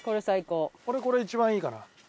俺これ一番いいかな。